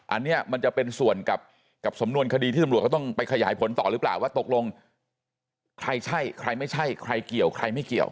อันนี้มันจะเป็นส่วนกับสำนวนคดีที่ตำรวจเขาต้องไปขยายผลต่อหรือเปล่าว่าตกลงใครใช่ใครไม่ใช่ใครเกี่ยวใครไม่เกี่ยว